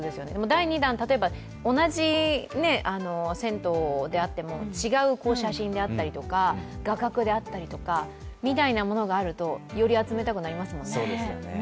第２弾、例えば同じ銭湯であっても違う写真であったりとか画角であったりとかみたいなものがあると、より集めたくなりますよね。